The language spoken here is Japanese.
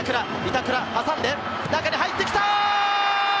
挟んで中に入ってきた！